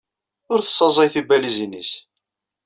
Ur tessaẓay tibalizin-nnes.